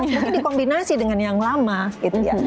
mungkin dikombinasi dengan yang lama gitu ya